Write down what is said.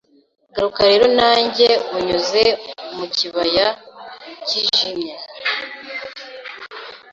Garuka rero nanjye unyuze mu kibaya cyijimye